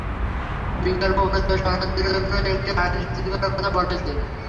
বিকল্প প্রস্তাবে শরণার্থীদের জন্য একটি আইন শিথিল করার কথা বলা হয়েছে।